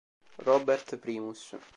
Robert Primus